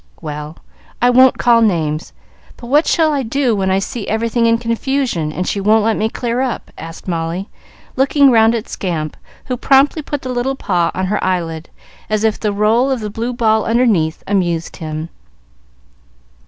"Well, I won't call names; but what shall I do when I see everything in confusion, and she won't let me clear up?" asked Molly, looking round at Scamp, who promptly put the little paw on her eyelid, as if the roll of the blue ball underneath amused him.